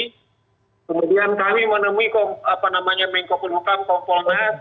kemudian kami menemui mingkup penuhkan komponen